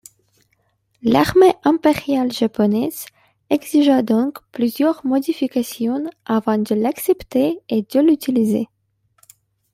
L'armée impériale japonaise exigea donc plusieurs modifications avant de l'accepter et de l'utiliser.